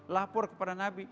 lapor kepada nabi